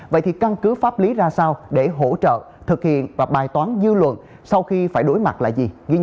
vậy thì căn cứ pháp lý ra sao để hỗ trợ thực hiện và bài toán dư luận sau khi phải đối mặt là gì